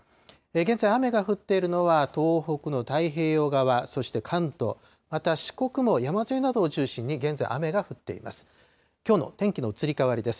現在、雨が降っているのは東北の太平洋側、そして関東、また四国も山沿いなどを中心に現在雨が降っています。